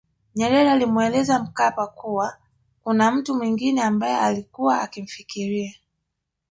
Nyerere alimweleza Mkapa kuwa kuna mtu mwengine ambaye ailikuwa akimfikiria